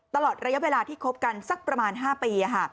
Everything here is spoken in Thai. ตลอดระยะเวลาที่คบกันสักประมาณ๕ปี